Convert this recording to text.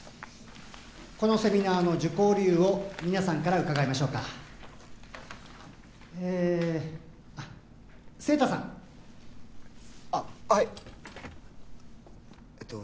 このセミナーの受講理由を皆さんから伺いましょうかえ晴太さんあっはいえっと